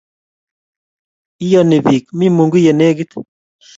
Iyoni bik, mi Mungu ye negit